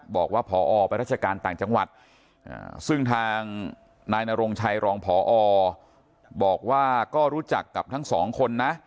บอกว่าพอไปราชการต่างจังหวัดซึ่งทางนายนรงชัยรองพอบอกว่าก็รู้จักกับทั้งสองคนนะ